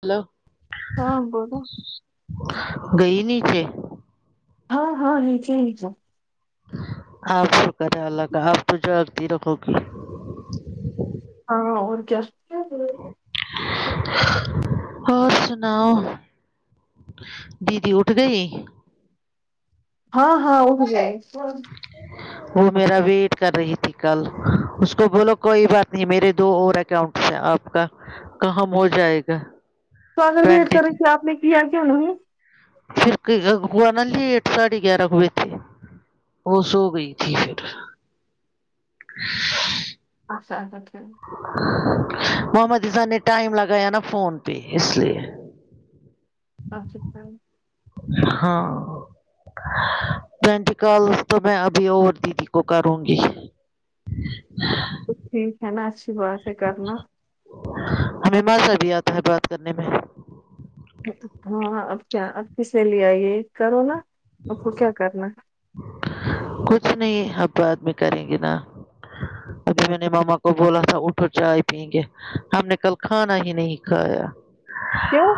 Hello ہاں بولو گئی نیچے ہاں ہاں نیچے نیچے ہاں شکر ہے اللہ کا آپ تو جھگتی رھو گی ہاں اور کیا اور سناؤ دیدی اٹھ گئی ہاں ہاں اٹھ گئ وہ میرا بھی کر رہی تھی کل اس کو بولو کوئی بات نہیں میرے دو اور اکاؤنٹس ہیں آپ کا کہم ہو جائے گا تو اگر بھیٹ ٹوینٹی کریں کہ آپ نے کیا کیا نہیں پھر گونا لیٹ ساڑھے گیارہ کو ب تھے [unintelligible] وہ سو گئی تھی پھر اچھا اچھا ٹھیک محمدازن نے ٹائم لگایا نا فون پہ اس لیے اچھا ہاں بینٹ کال تو میں ابھی اور دیدی کو کروں گی تو ٹھیک ہے نا اچھی بات ہے کرنا ہمیں مذا بھی آتا ہے بات کرنے میں ہاں اب کیا اب کسے لے آئیے کرو نا آپ کو کیا کرنا کچھ نہیں اب بعد میں کریں گے نا ابھی میں نے ماما کو بولا تھا اٹھو چائے پئیں گے ہم نے کل کھانا ہی نہیں کھایا کیوں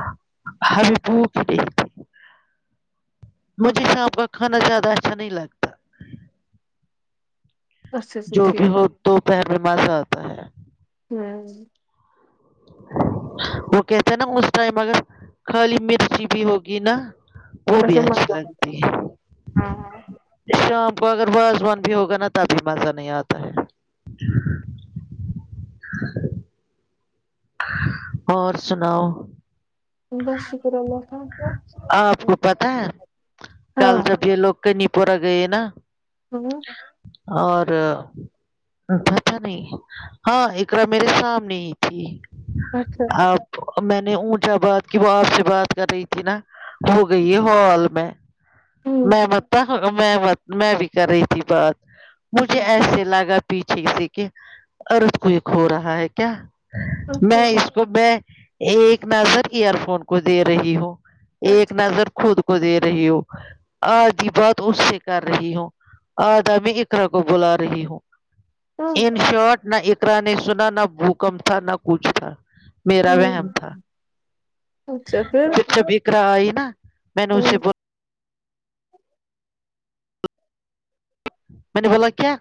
ہمیں بھوک نہیں تھی مجھے شام کا کھانا زیادہ اچھا نہیں لگ اچھا اچھا جو بھی ٹھیک ہو دوپہر میں مزہ آتا ہے ہوں وہ کہتے ہیں نا اس ٹائم اگر خالی مرچی بھی ہوگی نا وہ بھی ایسا اچھا مت لگتی ہاں شام کو اگر وازوان بھی ہوگا نا تبھی مزہ نہیں آتا ہے اور سناؤ بس شکر اللہ آپ کا کو پتا ہے کل ہاں جب یہ لوگ کنی پورہ گئے نا ہاں اور اچ اچھا نہیں ہاں اقراء میرے سامنے ہی تھی اچھا آپ میں نے اونچا بات کی وہ آپ سے بات کر رہی تھی نا ہو گئی ہے ہال میں ہوں میں مٹہ تا میں میں بھی کر رہی تھی بات مجھے ایسے لگا پیچھے سے ارت کو ایک ہو رہا ہے کیا اچھا میں اس تو میں ایک نظر ایئر فون کو دے رہی ہوں ایک اچھا نظر خود کو دے رہی ہو آدھی بات اس سے کر رہی ہوں آدھا میں اقرا کو بلا رہی ہوں ہوں ان شاٹ نہ اقراء نے سنا نہ بھوکمپ تھا نہ کچھ تھا میرا ہوں وحم تھا پھر جب اقراء آئی نا میں نے اسے ہوں ب میں نے بولا کیا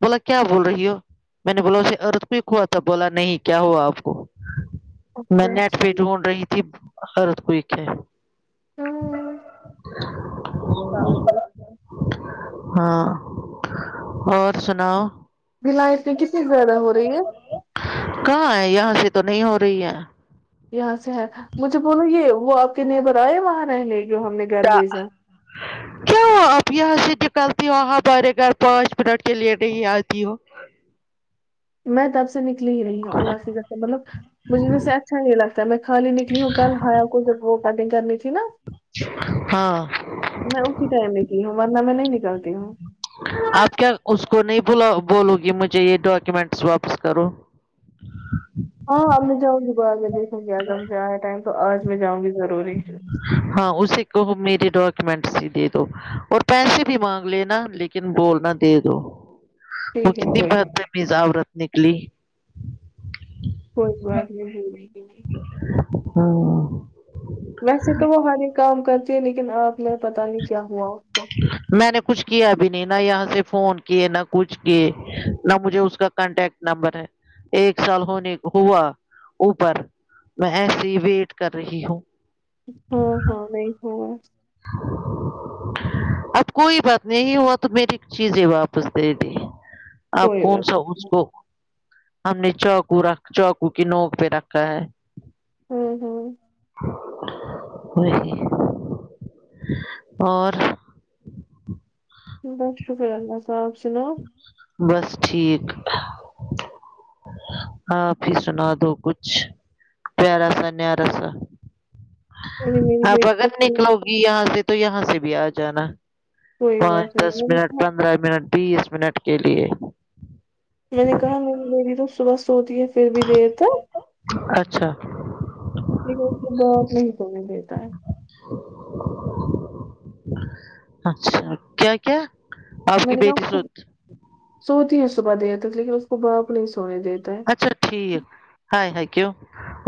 بولا کیا بول رہی ہو میں نے بولا اسے ارتھ کوئک ہوا تھا بولا نہیں کیا ہوا آپ کو میں اوکے نیٹ پیٹ ڈھونڈ رہی تھی حرت کوئی ہے ہاں پاگل ہاں اور سناؤ بلائت میں کتنی زیادہ ہو رہی ہے کہاں ہے یہاں سے تو نہیں ہو رہی ہے یہاں سے ہے مجھے بولو یہ وہ آپ کے نیبر آئے وہاں رہنے کی ہم نے گھر دہ بھیجا کیا کہا آپ یہاں سے نکلتی ہو ہمارے گھر پانچ منٹ کے لیے نہیں آتی ہو میں تب سے نکلی ہی رہی ہوں اللہ فظر مطلب مجھے ان سے اچھا نہیں لگتا ہے میں خالی نکلی ہوں کل بھائیاوں کو جو وہ کٹنگ کرنی تھی نا ہاں میں اسی ٹائم میں نکلی ہوں ورنہ میں نہیں نکلتی ہوں آپ کیا اس کو نہیں بولا بولو گی مجھے یہ ڈاکومینٹس واپس کرو ہاں اب میں جاؤں گی وہ آگے دیکھ گی اگر مجھ آیا ٹائم تو آج میں جاں گی ضروری ہاں اسی کہو میرے ڈاکومینٹ ہی دے دو اور پیسے بھی مانگ لینا لیکن یکن بولنا دے دو وہ ٹھیک ہے کتنی کوئی بدتمیز عورت نکلی کوئی بات نہیں بھول رہ ہوں ویسے تو وہ ہر ایک کام کرتی ہے لیکن آپ نے پتاہ نہیں کیا ہوا اس کو میں نے کچھ کیا بھی نہیں نہ یہاں سے فون کیے نہ کچھ کیے نہ مجھے اس کا کانٹیکٹ نمبر ہے ایک سال ہونے کو ہوا اوپر میں ایسے ہی ویٹ کر رہی ہوں ہاں ہاں نہیں ہو اب کوئی بات نہیں ہوا تو میری چیزیں واپس دے دی آپ کوئی کون بات سا اس کو ہم نے چاقو رکھ چاقو کی نوک پہ رکھا ہے ہوں ہوں نہیں اور بس شکار ہے اللہ کا اپ سناؤ بس ٹھیک ہاں پھر سنا دو کچھ پیارا سا نیارا سا ابھی میری آپ بیٹی اگر کو سنا- نکلو گی یہاں سے تو یہاں سے بھی آ جانا کوئی پانچ بات نہیں دس میں نے منٹ کہا پندرہ منٹ بیس منٹ کے لیے میں نے کہا میری مری تو صبح سوتی ہے پھر بھی دیر تک اچھا لیکن اس بات نہیں سنے دیتا ہے اچھا کیا کیا آپ میں کی نے کہا بیٹی اس سو کو سوتی ہے صبح دیر تک لیکن اس کے باپ نہیں سونے دیتے ہے اچھا ٹھیک ہائے ہائے کیوں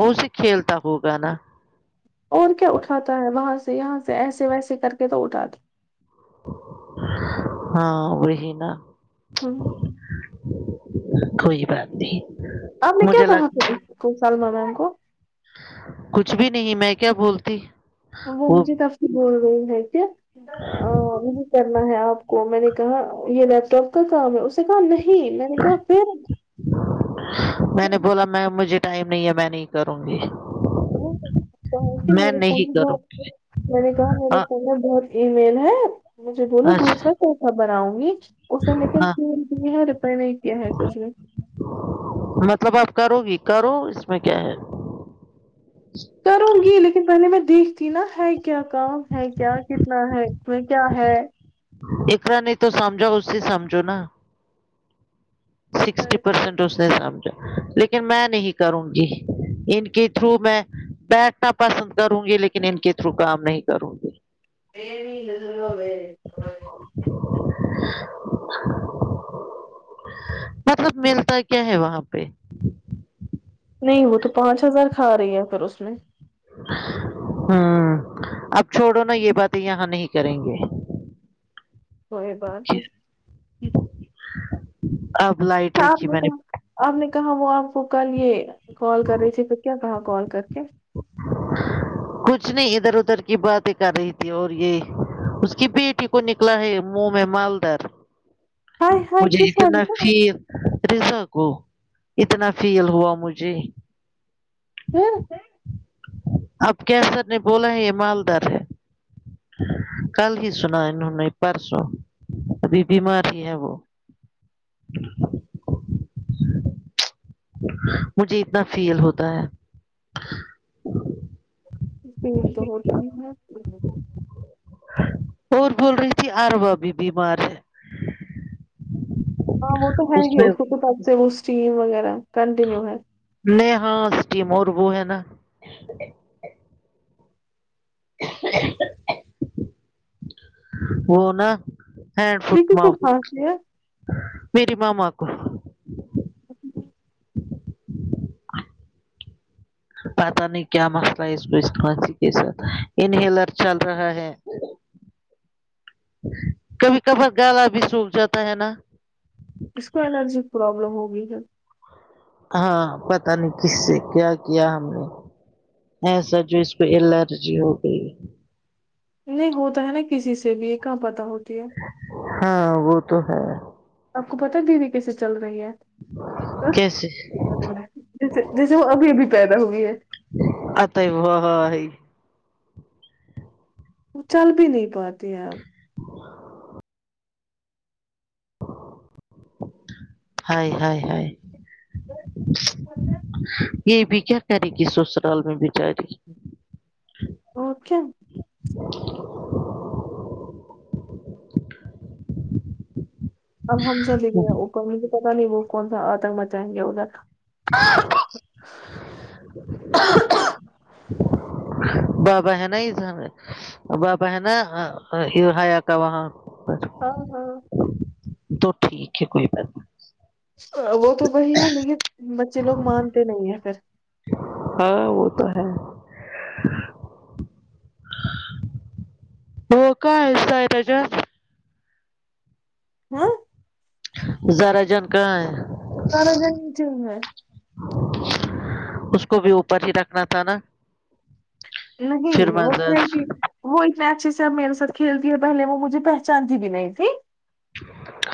اس سے کھیلتا ہوگا نا اور کیا اٹھاتا ہے وہاں سے یہاں سے ایسے ویسے کر کے تو اٹھاتا ہاں وہی نا ہے۔ ہوں کوئی بات نہیں آپ نے کیا مجھے کہا لگ تھا کو سالمہ میم کو کچھ بھی نہیں میں کیا بولتی وہ مجھے تب سے بول رہی ہے کہ ا یہ کرنا ہے آپ کو میں نے کہا یہ لیپ ٹاپ کا کام ہے اس نے کہا نہیں میں نے کہا پھر میں نے بولا میم مجھے ٹائم نہیں ہے میں نہیں کروں گی کہ میں میرے نہیں پنے ب کروں گی میں نے کہا میرے ہاں پنے گ [unintelligible] ای میل ہے مجھے بولو اچھا دوسرا کیسا بنا آؤں گی اس نے لیکن ہاں لیل کیا ہے ریپیئر نہیں کیا ہے کچھ نے مطلب آپ کرو گی کرو اس میں کیا ہے کروں گی لیکن پہلے میں دیکھتی نا ہے کیا کام ہے کیا کتنا ہے اس میں کیا ہے اقرا نہیں تو سمجھاؤ اس سے سمجھو نا سکسٹی پرسٹ اس سمجھا لیکن میں نہیں کروں گی ان کے تھرو میں بیٹھنا پسند کروں گی لیکن ان کے تھرو کام نہیں کروں گی [unintelligible] مطلب ملتا کیا ہے وہاں پہ نہیں وہ تو پانچ ہزار کھا رہی ہے پھر اس میں ہاں اب چھوڑو نا یہ باتیں یہاں نہیں کریں گے صحیح بات ہے اب لائ اچھا آپ نے کہا آپ نے کہا وہ آپ کو کل یہ کال کر رہی تھی تو پھر کیا کہا کال کر کے کچھ نہیں ادھر ادھر کی باتیں کر رہی تھی اور یہ اس کی بیٹی کو نکلا ہے منہ میں مالدار ہائے ہائے مجھے کس اتنا والی کو پیر رضا کو اتنا فیل ہوا مجھے ہوں قیصر نے بولا ہے یہ مالدار ہے کل ہی سنا انہوں نے پرسو ابھی بیمار ہی ہے وہ [inaudible] مجھے اتنا فیل ہوتا ہے یہ تو ہوتا ہی ہے اور بول رہی تھی اروا بھی بیمار ہے ہاں وہ تو ہے ہی اس کو تو تب سے وہ اسٹیم وغیرہ کنٹینیو ہے نہیں ہاں اسٹیم اور وہ ہے نا [inaudible] وہ نا ہینڈ فٹ لیکن کو مت کھانسی ہے میری مما کو [inaudible] پتا نہیں کیا مسئلہ ہے اس کو اس کھانسی کے ساتھ انہیلر چل رہا ہے کبھی کبھار گلا بھی سوکھ جاتا ہے نا اس کو الرجی پروابلم ہوگیی ہے ہاں پتا نہیں کس سے کیا کیا ہم نے ایسا جو اس پہ الرجی ہو گئی نہیں ہوتا ہے نا کسی سے بھی یہ کہاں پتا ہوتی ہے ہاں وہ تو ہے آپ کو پتا دیدی کیسے چل رہی ہے بس کیسے جیسے جیسے وہ ابھی ابھی پیدا ہوئی ہے آتا وہی وہ واہ رے چل بھی نہیں پاتے آپ ہائے ہائے ہائے یہ بھی کیا کرے گی سسرال میں بیچاری [inaudible] اور کیا [inaudible] اب ہم سب ادھر ہے اوپر پتا نہیں وہ کون سا آتنک مچائیں گے ادھر [inaudible] بابا ہے نا اس بابا ہے نا یہ حیا کا وہاں پر ہ ہاں تو ٹھیک ہے کوئی بات نہیں وہ بھی وہی ہے لیکن بچے لوگ مانتے نہیں ہیں پھر ہاں وہ تو ہے وہ کا ایتا [unintelligible] ہاں زارا جان کہاں ہے زارا جان کچن میں ہے اس کو بھی اوپر ہی رکھنا تھا نا پھر نہیں وہ مزہ کینٹین وہ اتنے اچھے سے اب میرے ساتھ کھیلتی ہے پہلے وہ مجھے پہچانتی بھی نہیں تھی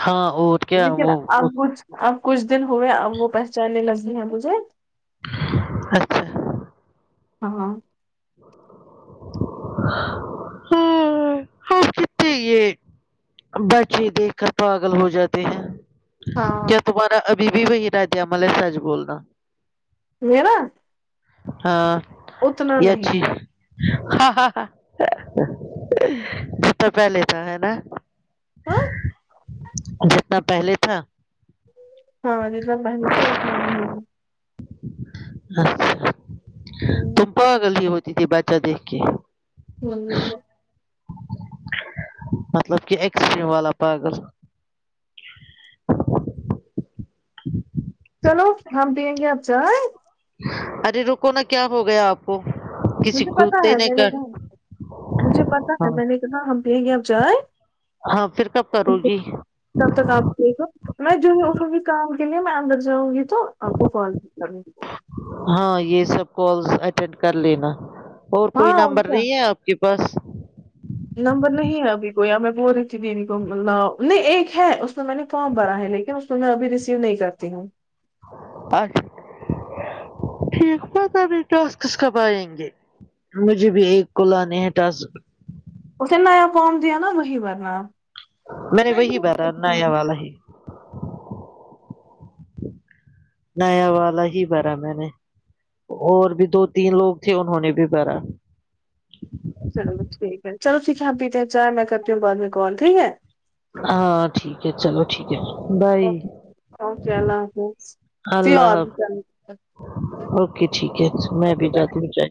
ہاں اور کیا لیکن اب وہ کچھ اب کچھ دن ہوئے اب وہ پہچانے لگی ہیں مجھے اچھا ہاں ہاں ہاںاں ہاں کتنے یہ بچے دیکھ کر پاگل ہو جاتے ہیں ہاں کیا تمہارا ابھی بھی وہی رد عمل ہے سج بولنا میرا ہاں اتنا نہیں ہے ہا ہا ہا یہ تو پہلے کا ہے نا ہاں جتنا پہلے تھا ہاں [unintelligible] ہوں [unintelligible] گل ہوتی تھی باچہ دیکھ کے ہمم مطلب کہ ایکسٹم والا پاگل [inaudible] چلو ہم پیںنگے آپ چاے ارے رکو نا کیا ہو گیا آپ کوہ مجھے پتا ہے میں نے کہا مجھے پتا ہے ہاں میں نے کہہا ہم پینگے اب چاے ہاں پھر کب کرو گی تپ تک آپ بیھجو میں جو ہےافس میں کام کے لیے میں اندر جاؤں گی تو آپ کو فالو بھی کروں گی ہاں یہ سب کالس اٹینڈ کر لینا اور کوئی ہاں نمبر کیا نہیں ہے آپ کے پاس نمبر نہیں ابھی کوئی یاں میں بول رہی تھی [unintelligible] نہیں ایک ہے اس میں میں نے فارم بھرا ہے لیکن تو میں ابھی ریسیو نہیں کرتی ہوں اور ٹھیک بات ابھی ٹاسکس کب آئیں گے مجھے بھی یہی کو لانے ہے ٹاسک اسے نیا فارم دیا نا وہی برنا اب میں نے وہی بھرا نیا والا ہی نیا والا ہی بھرا میں نے اور بھی دو تین لوگ تھے انہوں نے بھی بھرا چلو ٹھیک ہے چلو ٹھیک ہے ہم پیتے ہیں چاے میں کرتی ہوں بعد میں کال ٹھیک ہے ہاں ٹھیک ہے چلو ٹھیک ہے بائی اوکے اللہ اللہ حافظ حافظ [unintelligible] اوکے ٹھیک ہے میں بھی آپ جاتی ہوں چاے